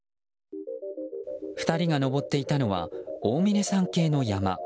２人が登っていたのは大峰山系の山。